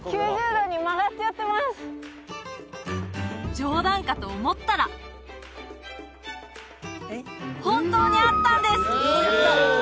冗談かと思ったら本当にあったんです！